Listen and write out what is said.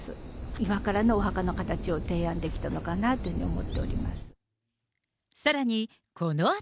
今からのお墓の形を提案できたのかなと思っております。